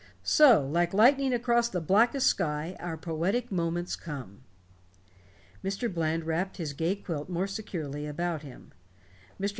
So, like lightning across the blackest sky, our poetic moments come." Mr. Bland wrapped his gay quilt more securely about him. Mr.